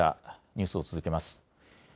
ニュースを続けます。